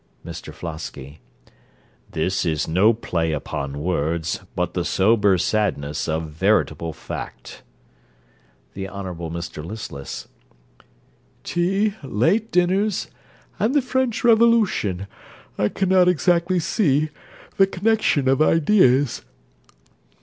MR FLOSKY This is no play upon words, but the sober sadness of veritable fact. THE HONOURABLE MR LISTLESS Tea, late dinners, and the French Revolution. I cannot exactly see the connection of ideas.